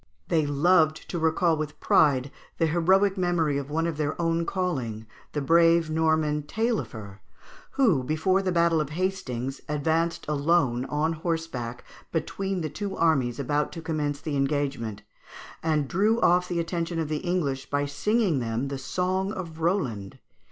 They loved to recall with pride the heroic memory of one of their own calling, the brave Norman, Taillefer, who, before the battle of Hastings, advanced alone on horseback between the two armies about to commence the engagement, and drew off the attention of the English by singing them the song of Roland.